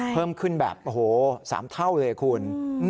เพิ่มขึ้นแบบโอ้โห๓เท่าเลยคุณ